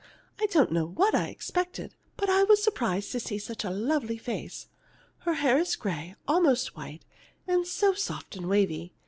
I don't know what I expected, but I was surprised to see such a lovely face. Her hair is gray, almost white, and so soft and wavy.